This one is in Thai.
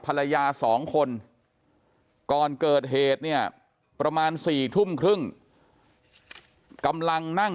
ภรรยา๒คนก่อนเกิดเหตุเนี่ยประมาณ๔ทุ่มครึ่งกำลังนั่ง